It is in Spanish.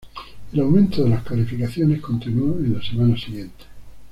El aumento de las calificaciones continuó en las semanas siguientes.